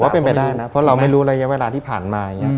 ผมว่าเป็นไปได้นะเพราะเราไม่รู้ระยะเวลาที่ผ่านมา